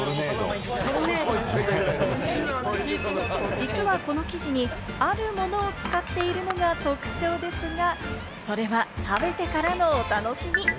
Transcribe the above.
実はこの生地にあるものを使っているのが特徴ですが、それは食べてからのお楽しみ。